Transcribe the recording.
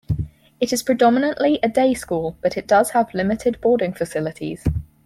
It is predominantly a day-school, but it does have limited boarding facilities.